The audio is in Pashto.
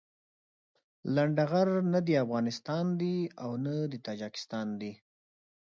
لنډغر نه افغانستان دي او نه د تاجيکستان دي.